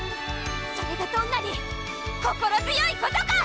それがどんなに心強いことか！